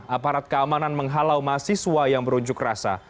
aparat keamanan menghalau mahasiswa yang berunjuk rasa